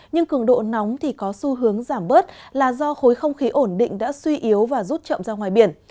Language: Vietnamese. nhưng cường độ nóng thì có xu hướng giảm bớt là do khối không khí ổn định đã suy yếu và rút chậm ra ngoài biển